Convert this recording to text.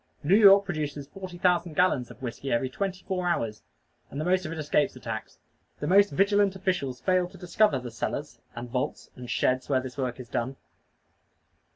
New York produces forty thousand gallons of whiskey every twenty four hours; and the most of it escapes the tax. The most vigilant officials fail to discover the cellars, and vaults, and sheds where this work is done.